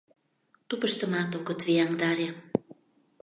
— Тупыштымат огыт вияҥдаре.